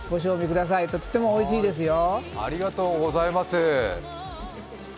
ください、とってもおいしいですよ。